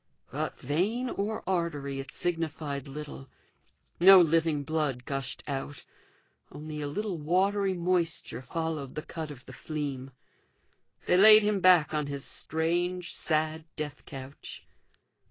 But, vein or artery, it signified little; no living blood gushed out; only a little watery moisture followed the cut of the fleam. They laid him back on his strange sad death couch.